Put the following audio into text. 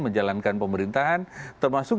menjalankan pemerintahan termasuk